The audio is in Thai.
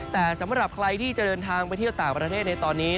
แต่สำหรับใครที่จะเดินทางไปเที่ยวต่างประเทศในตอนนี้